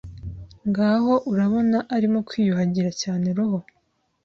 Ngaho urabona arimo kwiyuhagira cyane roho